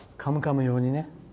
「カムカム」用にね。